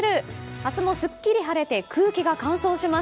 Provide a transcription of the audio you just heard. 明日もスッキリ晴れて空気が乾燥します。